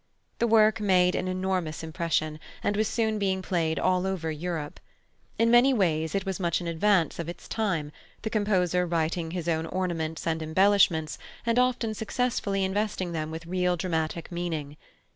The work made an enormous impression, and was soon being played over all Europe. In many ways it was much in advance of its time, the composer writing his own ornaments and embellishments, and often successfully investing them with real dramatic meaning.